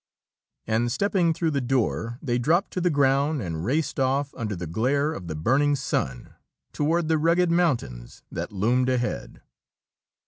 And, stepping through the door, they dropped to the ground and raced off under the glare of the burning sun toward the rugged mountains that loomed ahead.